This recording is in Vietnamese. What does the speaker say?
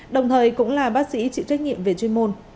đồng thời cũng là bác sĩ chịu trách nhiệm về chuyên môn